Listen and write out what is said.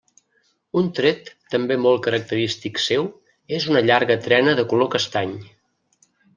Un tret també molt característic seu és una llarga trena de color castany.